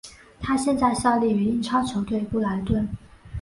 他现在效力于英超球队布莱顿。